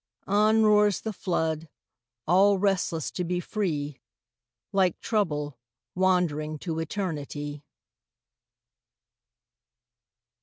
On roars the flood, all restless to be free, Like Trouble wandering to Eternity.